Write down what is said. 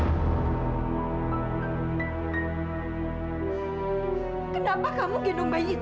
kenapa kamu gendong bayi itu